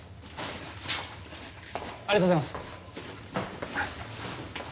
ありがとうございます。